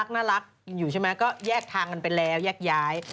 น่ารักอยู่ใช่ไหมก็แยกทางกันไปแล้วแยกย้าย